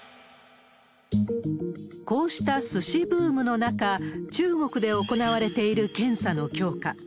こうしたすしブームの中、中国で行われている検査の強化。